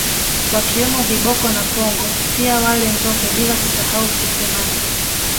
Wakiwemo Viboko na Pongo pia wale Nzohe bila kusahau Fisi maji